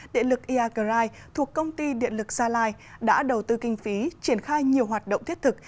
điện lực iagrai thuộc công ty điện lực gia lai đã đầu tư kinh phí triển khai nhiều hoạt động thiết thực